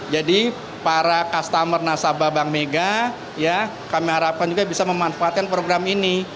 jadi para customer nasabah bank mega kami harapkan juga bisa memanfaatkan program ini